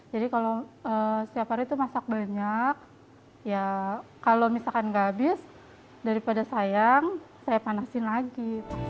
jadi kalau setiap hari itu masak banyak ya kalau misalkan gak habis daripada sayang saya panaskan lagi